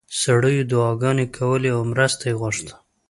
سړیو دعاګانې کولې او مرسته یې غوښته.